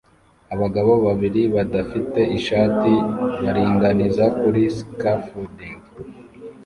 Abagabo babiri badafite ishati baringaniza kuri scafolding